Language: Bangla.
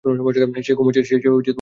সে ঘুমাচ্ছে না।